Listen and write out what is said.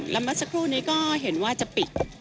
แล้วเมื่อสักครู่นี้ก็เห็นว่าจะปิด